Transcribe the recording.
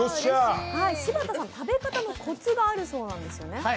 柴田さん、食べ方のコツがあるそうなんですよね？